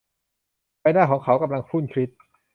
ใบหน้าของเขากำลังครุ่นคิด